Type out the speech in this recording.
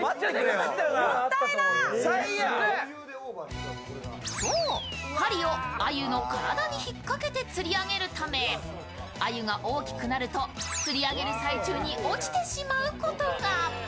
すると針を鮎の体に引っ掛けて釣り上げるため鮎が大きくなると、釣り上げる最中に落ちてしまうことが。